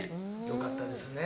よかったですね。